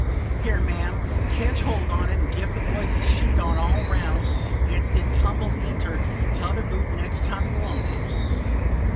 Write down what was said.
Here, ma'am, ketch hold on it, and give the boys a sheet on't all round, 'gainst it tumbles inter t'other boot next time yer want it."